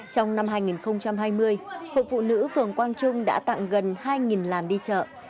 trong năm hai nghìn hai mươi hội phụ nữ phường quang trung đã tặng gần hai làn đi chợ